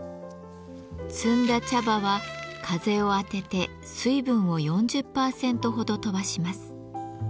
摘んだ茶葉は風を当てて水分を４０％ほど飛ばします。